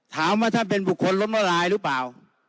ท่านเป็นบุคคลล้มละลายหรือเปล่า